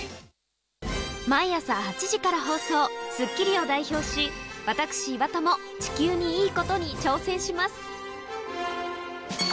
毎朝８時から放送、スッキリを代表し、私、岩田も地球にいいことに挑戦します。